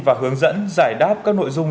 và hướng dẫn giải đáp các nội dung